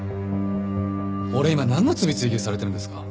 俺今なんの罪追及されてるんですか？